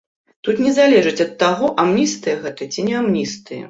Тут не залежыць ад таго, амністыя гэта ці не амністыя.